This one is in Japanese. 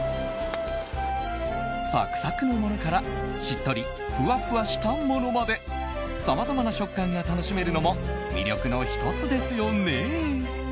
サクサクのものからしっとりふわふわしたものまでさまざまな食感が楽しめるのも魅力の１つですよね。